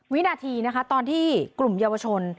วินาทีนะคะตอนที่กลุ่มเยาวชน